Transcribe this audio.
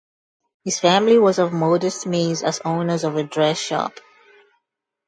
His family was of modest means as owners of a dress shop.